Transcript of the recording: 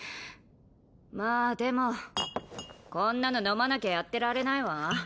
まあでもこんなの飲まなきゃやってられないわ。